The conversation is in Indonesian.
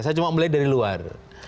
saya cuma mulai dari luar